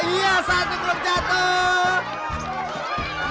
iya saatnya belum jatuh